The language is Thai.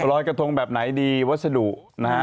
รอยกระทงแบบไหนดีวัสดุนะฮะ